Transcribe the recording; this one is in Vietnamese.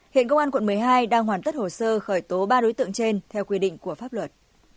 hiện công an quận một mươi hai đang hoàn tất hồ sơ khởi tố ba đối tượng trên theo quy định của pháp luật